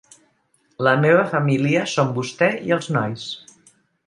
La meva família són vostè i els nois.